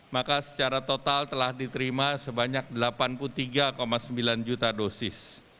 maka secara total telah diterima sebanyak delapan puluh tiga sembilan juta dosis